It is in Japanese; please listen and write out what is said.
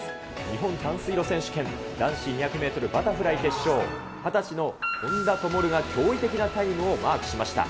日本短水路選手権、男子２００メートルバタフライ決勝、２０歳の本多灯が驚異的なタイムをマークしました。